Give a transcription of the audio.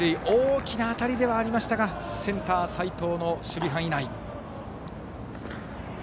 大きな当たりではありましたがセンター、齋藤の守備範囲内。